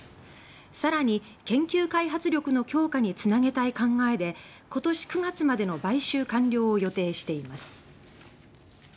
更に、研究開発力の強化につなげたい考えで今年９月までの買収完了を予定しています。